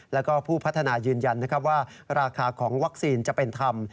แล้วก็ผู้พัฒนายืนยันว่าราคาของวัคซีนจะเป็นธรรม